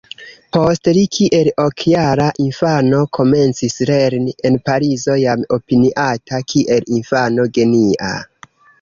Poste li kiel ok-jara infano komencis lerni en Parizo jam opiniata kiel infano genia.